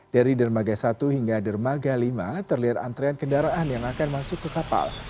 dari dermaga satu hingga dermaga lima terlihat antrean kendaraan yang akan masuk ke kapal